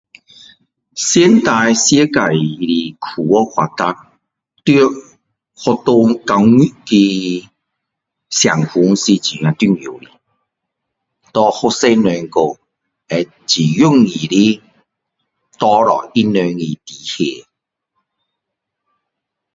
现在世界的科学发达在学校教育的成分是很重要的给学生们来讲会很容易的拿到他们的成绩